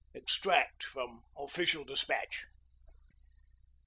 _' EXTRACT FROM OFFICIAL DESPATCH.